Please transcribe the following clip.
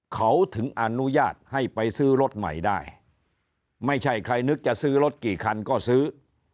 เขาถึงอนุญาตให้ไปซื้อรถใหม่ได้ไม่ใช่ใครนึกจะซื้อรถกี่คันก็ซื้อ